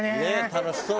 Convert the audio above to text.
楽しそう。